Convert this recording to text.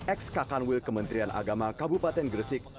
ex kakan wil kementerian agama kabupaten gresik